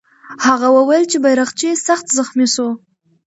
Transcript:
هغه وویل چې بیرغچی سخت زخمي سو.